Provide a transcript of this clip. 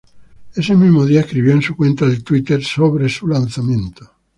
Ese mismo día, escribió en su cuenta de Twitter acerca de su lanzamiento.